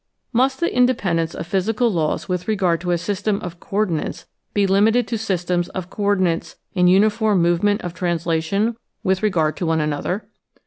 Must the independence of physical laws with re gard to a system of coordinates be limited to systems of coordinates in uniform movement of translation with regard to one another